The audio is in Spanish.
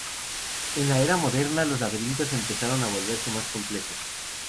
En la era moderna los laberintos empezaron a volverse más complejos.